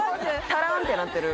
タラーンってなってる